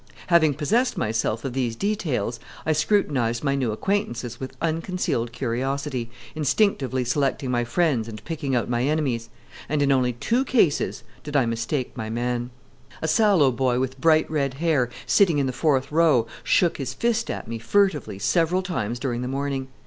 Having possessed myself of these details, I scrutinized my new acquaintances with unconcealed curiosity, instinctively selecting my friends and picking out my enemies and in only two cases did I mistake my man. A sallow boy with bright red hair, sitting in the fourth row, shook his fist at me furtively several times during the morning.